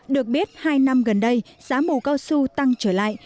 được biết hai năm gần đây giá mù cao su tăng trở lại